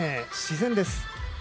自然です。